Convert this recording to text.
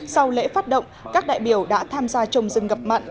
sau lễ phát động các đại biểu đã tham gia trồng rừng ngập mặn